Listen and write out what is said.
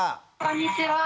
こんにちは。